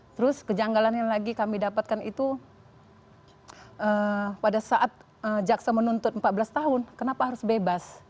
terus kejanggalan yang lagi kami dapatkan itu pada saat jaksa menuntut empat belas tahun kenapa harus bebas